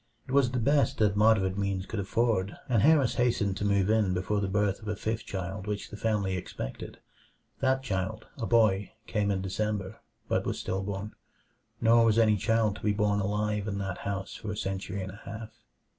It was the best that moderate means could afford, and Harris hastened to move in before the birth of a fifth child which the family expected. That child, a boy, came in December; but was still born. Nor was any child to be born alive in that house for a century and a half.